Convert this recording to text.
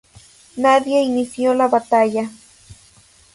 Nadie inició la batalla.